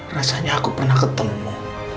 rasanya aku pernah ketemu